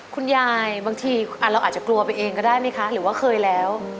บางทีเราอาจจะกลัวไปเองก็ได้ไหมคะหรือว่าเคยแล้ว